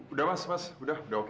udah mas udah udah oke kok